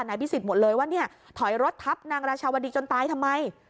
นายพิศิษฐ์หมดเลยว่าถอยรถทับนางราชาวดีจนตายทำไม